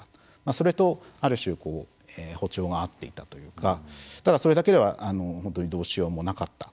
それと、ある種歩調が合っていたというかただ、それだけでは本当に、どうしようもなかった。